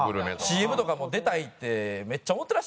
ＣＭとかも出たいってめっちゃ思ったらしいんですよ。